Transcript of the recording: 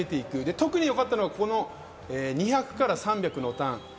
特によかったのは２００から３００のターン。